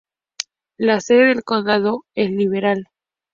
La sede del condado es Liberal.